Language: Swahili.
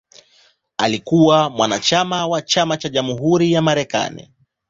Alikuwa mwanachama wa Chama cha Jamhuri cha Marekani.